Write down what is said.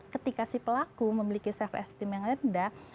ketika si pelaku memiliki self esteem yang rendah